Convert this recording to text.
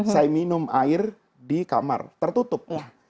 saya minum air di kamar tertutup